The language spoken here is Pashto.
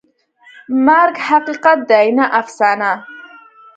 مرګ حقیقت دی، نه افسانه.